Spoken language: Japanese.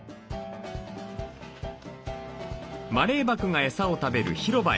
マレーバクがエサを食べる広場へ。